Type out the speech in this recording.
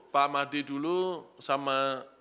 pak made dulu sama